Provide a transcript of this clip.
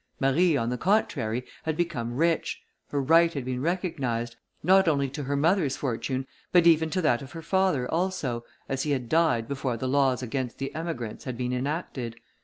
Marie, on the contrary, had become rich: her right had been recognised, not only to her mother's fortune, but even to that of her father also, as he had died before the laws against the emigrants had been enacted.